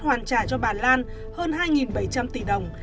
hoàn trả cho bà lan hơn hai bảy trăm linh tỷ đồng